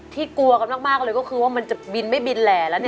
กลัวกันมากเลยก็คือว่ามันจะบินไม่บินแหล่แล้ว